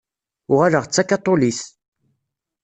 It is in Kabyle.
Uɣaleɣ d takaṭulit.